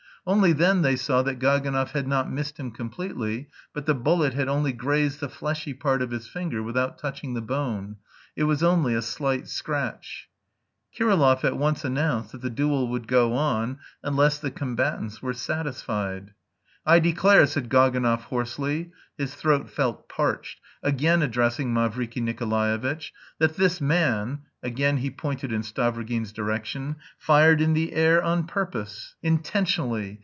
Only then they saw that Gaganov had not missed him completely, but the bullet had only grazed the fleshy part of his finger without touching the bone; it was only a slight scratch. Kirillov at once announced that the duel would go on, unless the combatants were satisfied. "I declare," said Gaganov hoarsely (his throat felt parched), again addressing Mavriky Nikolaevitch, "that this man," again he pointed in Stavrogin's direction, "fired in the air on purpose... intentionally....